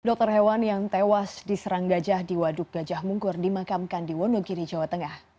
dokter hewan yang tewas diserang gajah di waduk gajah mungkur dimakamkan di wonogiri jawa tengah